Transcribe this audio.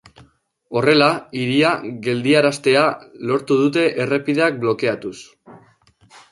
Horrela, hiria geldiaraztea lortu dute errepideak blokeatuz.